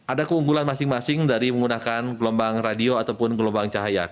ada keunggulan masing masing dari menggunakan gelombang radio ataupun gelombang cahaya